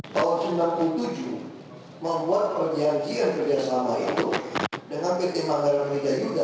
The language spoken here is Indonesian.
tahun sembilan puluh tujuh membuat perjanjian kerjasama itu dengan pt manggaramidja juga